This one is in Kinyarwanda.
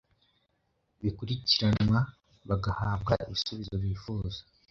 bikurikiranwa bagahabwa ibisubizo bifuza